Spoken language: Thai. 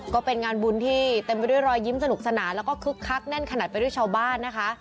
ก็เป็นงานบุญที่เต็มไปด้วยรอยยิ้มสนุกสนานแล้วก็คึกคักแน่นขนาดไปด้วยชาวบ้านนะคะ